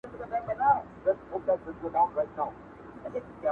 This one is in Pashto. ما د خون او قتل تخم دئ كرلى -